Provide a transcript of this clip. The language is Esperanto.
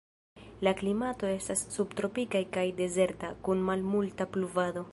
La klimato estas subtropika kaj dezerta, kun malmulta pluvado.